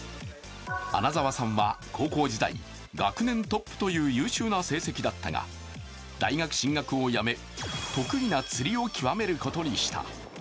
穴澤さんは高校時代、学年トップという優秀な成績だったが大学進学をやめ、得意な釣りを極めることにした。